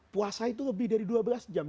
puasa itu lebih dari dua belas jam